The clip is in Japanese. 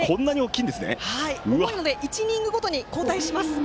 重いので、１イニングごとに交代します。